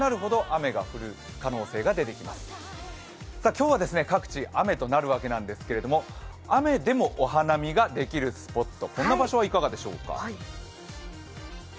今日は各地雨となるわけなんですけれども雨でもお花見ができるスポットこんな場所はいかがでしょうか。